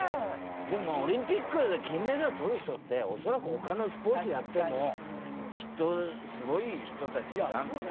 でもオリンピックで金メダルとる人って恐らく他のスポーツやってもきっとすごい人たちなんだよ。